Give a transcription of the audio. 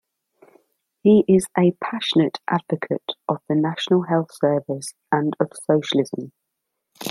He is a passionate advocate of the National Health Service and of socialism.